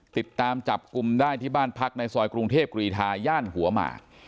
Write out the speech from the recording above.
ติดตามจับกลุ่มได้ที่บ้านพักในซอยกรุงเทพกรีธาย่านหัวหมาก